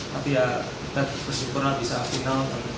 tapi ya kita bersyukuran bisa final